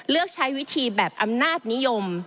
เลือกใช้วิธีแบบอำนาจนิยม